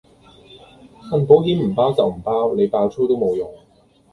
份保險唔包就唔包，你爆粗都冇用